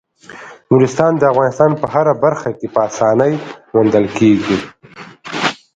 نورستان د افغانستان په هره برخه کې په اسانۍ موندل کېږي.